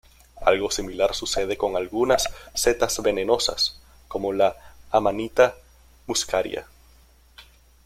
Algo similar sucede con algunas setas venenosas, como la "Amanita muscaria".